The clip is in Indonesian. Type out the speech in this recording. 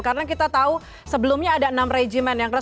karena kita tahu sebelumnya ada enam regimen